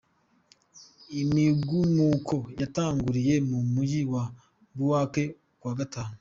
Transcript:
Imigumuko yatanguriye mu muji wa Bouake kuwa gatanu.